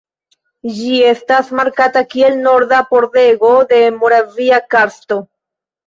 Ĝi estas markata kiel "Norda pordego de Moravia karsto".